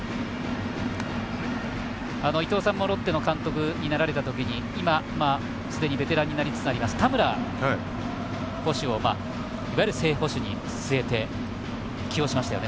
伊東さんもロッテの監督になられたときに今、すでにベテランになりつつある田村捕手いわゆる、正捕手に据えて起用しましたよね。